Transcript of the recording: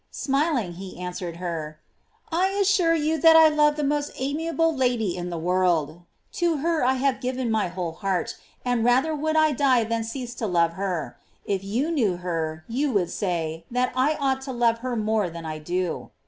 Smiling, he answered her: "I as sure you that I love the most amiable lady in the world; to her I have given my whole heart and rather would I die than cease to love her; if you knew her, you would say that I ought to love her more than I do."